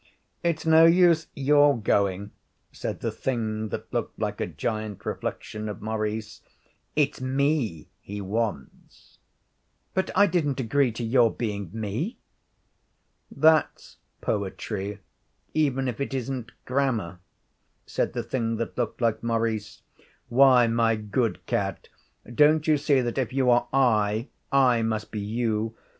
'It's no use your going,' said the thing that looked like a giant reflection of Maurice; 'it's me he wants.' 'But I didn't agree to your being me.' 'That's poetry, even if it isn't grammar,' said the thing that looked like Maurice. 'Why, my good cat, don't you see that if you are I, I must be you?